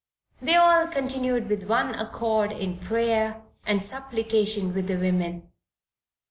"They all continued with one accord in prayer and supplication with the women."